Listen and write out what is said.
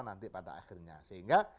nanti pada akhirnya sehingga